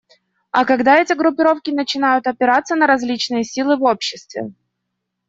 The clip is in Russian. А когда эти группировки начинают опираться на различные силы в обществе?